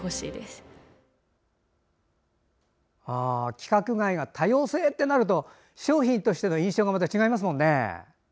規格外が多様性ってなると商品としての印象がまた違いますもんね。